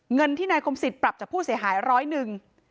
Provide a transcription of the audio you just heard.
เงินที่นายคมศิษย์ปรับจากผู้เสียหายร้อยหนึ่ง